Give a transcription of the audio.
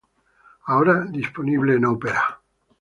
Ahora disponible en Opera.